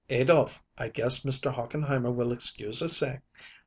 "Adolph, I guess Mr. Hochenheimer will excuse us eh?